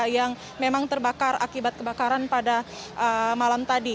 yang memang terbakar akibat kebakaran pada malam tadi